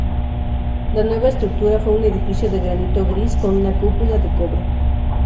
La nueva estructura fue un edificio de granito gris con una cúpula de cobre.